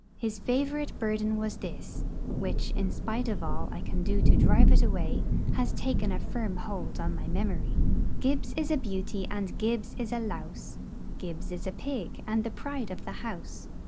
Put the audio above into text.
His favourite burden was this which, in spite of all I can do to drive it away, has taken a firm hold on my memory: Gibbs is a beauty, and Gibbs is a louse; Gibbs is a pig, and the pride of the house.